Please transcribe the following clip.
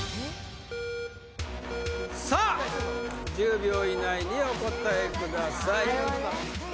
さあ１０秒以内にお答えください